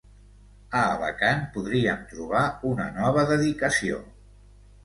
A Alacant podríem trobar una nova dedicació.